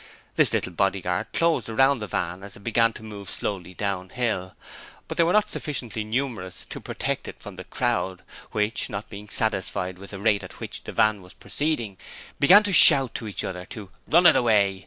This little bodyguard closed round the van as it began to move slowly downhill, but they were not sufficiently numerous to protect it from the crowd, which, not being satisfied with the rate at which the van was proceeding, began to shout to each other to 'Run it away!'